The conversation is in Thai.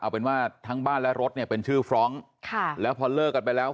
เอาเป็นว่าทั้งบ้านและรถเนี่ยเป็นชื่อฟรองก์ค่ะแล้วพอเลิกกันไปแล้ว